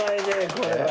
これは。